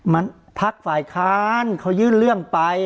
มันพักฝ่ายค้านเขายื่นเรื่องไป